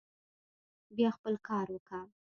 بيا خپل کار وکه.